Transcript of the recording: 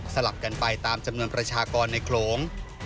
ลับกันไปตามจำนวนประชากรในโขลง